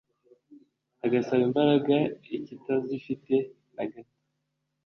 agasaba imbaraga ikitazifite na gato